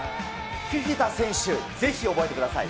フィフィタ選手、ぜひ覚えてください。